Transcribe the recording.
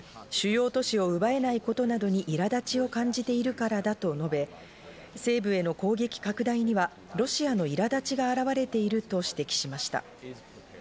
主要都市を奪えないことなどに苛立ちを感じているからだと述べ、西部への攻撃拡大にはロシアの苛立ちが現れていると指摘しました。